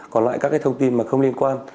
còn lại các cái thông tin mà không liên quan